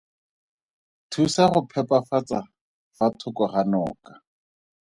Thusa go phepafatsa fa thoko ga noka.